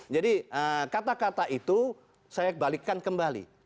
jadi kata kata itu saya balikkan kembali